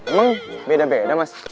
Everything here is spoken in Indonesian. emang beda beda mas